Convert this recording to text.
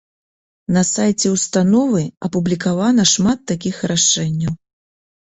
На сайце ўстановы апублікавана шмат такіх рашэнняў.